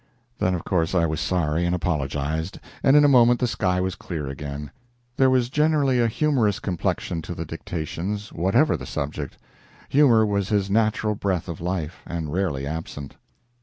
Then, of course, I was sorry and apologized, and in a moment the sky was clear again. There was generally a humorous complexion to the dictations, whatever the subject. Humor was his natural breath of life, and rarely absent.